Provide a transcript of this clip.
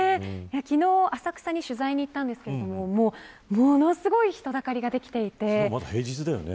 昨日、浅草に取材に行ったんですけどものすごい人だかりがまだ平日だよね。